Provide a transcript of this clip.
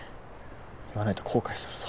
言わないと後悔するぞ。